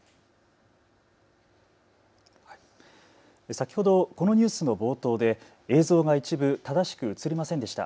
先ほどこのニュースの冒頭で映像が一部正しく映りませんでした。